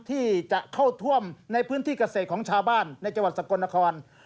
ที่จะเข้าท่วมในพื้นที่เกษตรของชาวบ้านในจังหวัดสกลนคร